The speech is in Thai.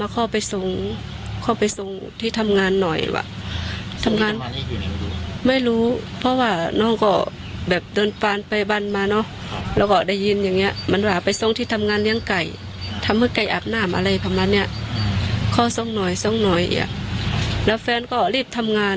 เขาส่งหน่อยส่งหน่อยอย่างแล้วแฟนก็รีบทำงาน